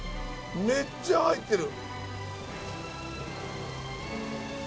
めっちゃ入ってる！